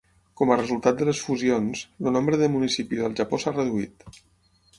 Com a resultat de les fusions, el nombre de municipis al Japó s"ha reduït.